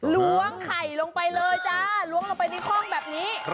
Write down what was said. ล้วงไข่ลงไปเลยจ้าล้วงลงไปในห้องแบบนี้